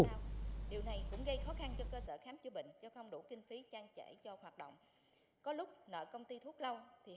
điều này cũng gây khó khăn cho cơ sở khám chữa bệnh cho không đủ kinh phí trang trễ cho hoạt động